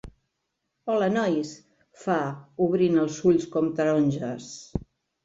Hola, nois —fa, obrint els ulls com taronges—.